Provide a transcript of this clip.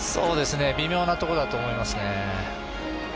微妙なところだと思います。